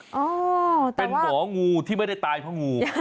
เป็นหมองูที่ไม่ได้ตายเพราะงู